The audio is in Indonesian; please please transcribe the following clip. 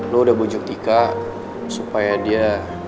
lo udah bujuk tika supaya dia